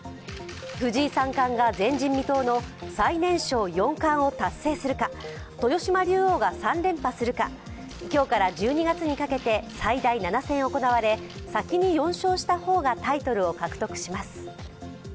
藤井三冠が前人未到の最年少四冠を達成するか、豊島竜王が３連覇するか今日から１２月にかけて最大７戦行われ、先に４勝した方がタイトルを獲得します。